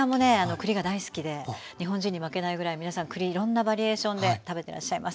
栗が大好きで日本人に負けないぐらい皆さん栗いろんなバリエーションで食べてらっしゃいます。